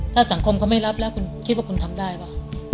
ถ้าสังคมเขาไม่รับแล้วคุณคิดว่าคุณทำได้ป่ะ